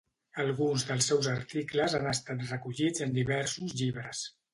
Alguns dels seus articles han estat recollits en diversos llibres.